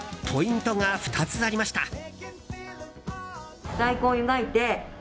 ポイントが２つありました。